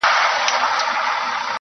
په ژوندینه راته سپي ویل باداره.